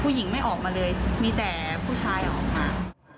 ผู้หญิงไม่ออกมาเลยมีแต่ผู้ชายออกมา